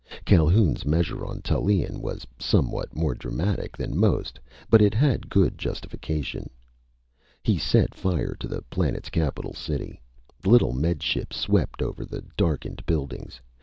Calhoun's measure on Tallien was somewhat more dramatic than most, but it had good justification. He set fire to the planet's capital city. The little Med Ship swept over the darkened buildings.